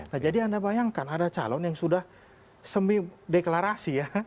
nah jadi anda bayangkan ada calon yang sudah semi deklarasi ya